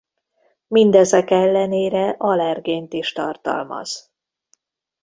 Mindezek ellenére allergént is tartalmaz.